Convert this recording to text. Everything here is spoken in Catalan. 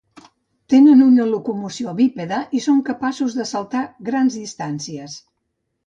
Tenen una locomoció bípeda i són capaços de saltar grans distàncies.